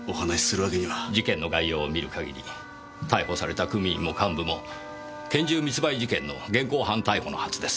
事件の概要を見る限り逮捕された組員も幹部も拳銃密売事件の現行犯逮捕のはずです。